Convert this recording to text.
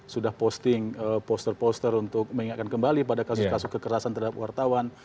sudah posting poster poster untuk mengingatkan kembali pada kasus kasus kekerasan terhadap wartawan